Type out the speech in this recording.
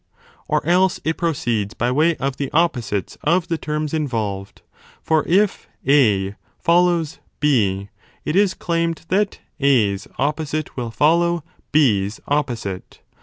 Or else it proceeds by way of the opposites of the terms involved : for if A follows B, it is claimed that A s opposite will follow It s opposite.